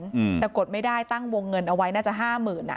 อืมแต่กดไม่ได้ตั้งวงเงินเอาไว้น่าจะห้าหมื่นอ่ะ